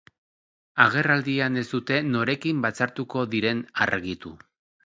Agerraldian ez dute norekin batzartuko diren argitu.